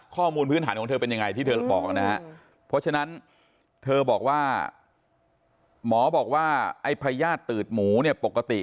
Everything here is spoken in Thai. พื้นฐานของเธอเป็นยังไงที่เธอบอกนะฮะเพราะฉะนั้นเธอบอกว่าหมอบอกว่าไอ้พญาติตืดหมูเนี่ยปกติ